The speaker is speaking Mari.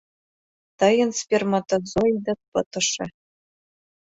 Тыйын сперматозоидет пытыше...